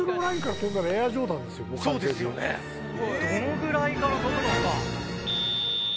どのぐらいから跳ぶのか？